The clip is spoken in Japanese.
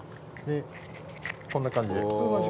こんな感じで。